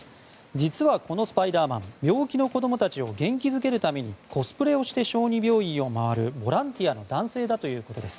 実はこのスパイダーマン病気の子供たちを元気づけるためにコスプレをして小児病院を回るボランティアの男性だということです。